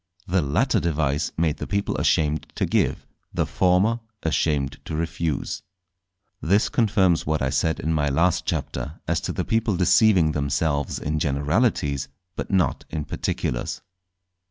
The latter device made the people ashamed to give, the former ashamed to refuse. This confirms what I said in my last Chapter, as to the people deceiving themselves in generalities but not in particulars.